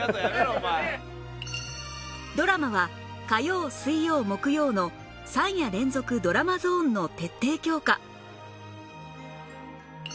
ドラマは火曜水曜木曜の３夜連続ドラマゾーンの徹底強化